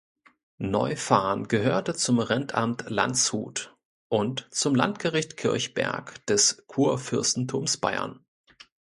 Neufahrn gehörte zum Rentamt Landshut und zum Landgericht Kirchberg des Kurfürstentums Bayern.